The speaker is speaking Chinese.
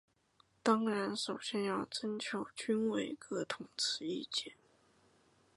当然首先要征求军委各同志意见。